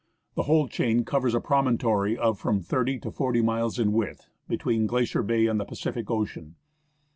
The whole chain covers a promontory of from thirty to forty miles in width, between Glacier Bay and the Pacific Ocean.